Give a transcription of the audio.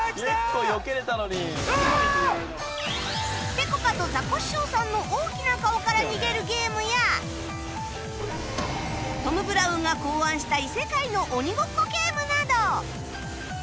ぺこぱとザコシショウさんの大きな顔から逃げるゲームやトム・ブラウンが考案した異世界の鬼ごっこゲームなど